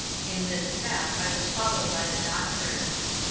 In this step I was followed by the doctor.